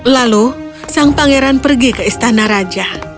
lalu sang pangeran pergi ke istana raja